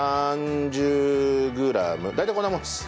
大体こんなものです。